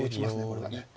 これはね。